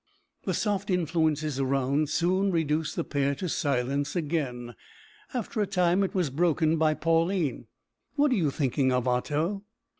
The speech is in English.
The soft influences around soon reduced the pair to silence again. After a time it was broken by Pauline. "What are you thinking of, Otto?"